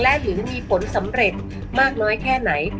หรือมีผลสำเร็จมากน้อยแค่ไหน